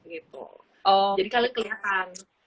gitu jadi kalian kelihatan